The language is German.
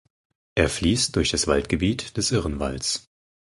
Er fließt durch das Waldgebiet des Irrenwalds.